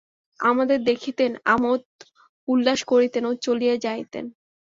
আমাদের দেখিতেন, আমোদ-উল্লাস করিতেন ও চলিয়া যাইতেন।